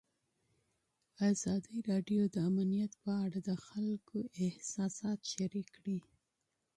ازادي راډیو د امنیت په اړه د خلکو احساسات شریک کړي.